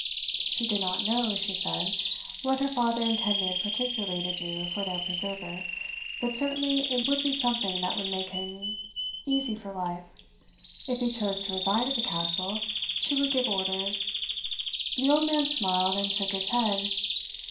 "She did not know," she said, "what her father intended particularly to do for their preserver, but certainly it would be something that would make him easy for life; if he chose to reside at the castle, she would give orders" The old man smiled, and shook his head.